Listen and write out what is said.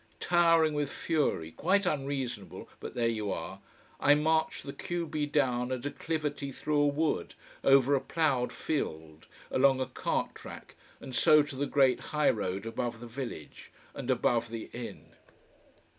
Towering with fury quite unreasonable, but there you are I marched the q b down a declivity through a wood, over a ploughed field, along a cart track, and so to the great high road above the village and above the inn.